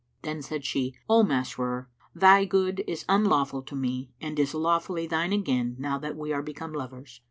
Then said she, "O Masrur, thy good is unlawful to me and is lawfully thine again now that we are become lovers."